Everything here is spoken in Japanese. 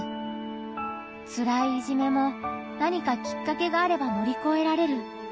つらいいじめも何かきっかけがあれば乗り越えられる。